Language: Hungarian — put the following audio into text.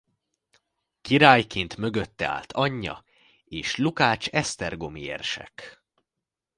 Királyként mögötte állt anyja és Lukács esztergomi érsek.